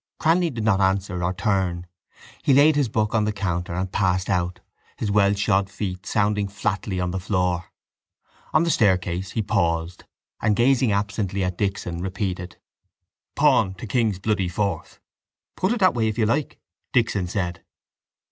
Cranly did not answer or turn. He laid his book on the counter and passed out, his well shod feet sounding flatly on the floor. On the staircase he paused and gazing absently at Dixon repeated: —Pawn to king's bloody fourth. —Put it that way if you like, Dixon said.